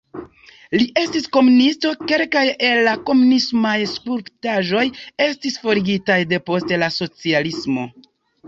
Li estis komunisto, kelkaj el la komunismaj skulptaĵoj estis forigitaj depost la socialismo.